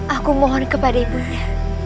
aku mohon kepada ibunda